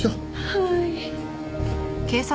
はい。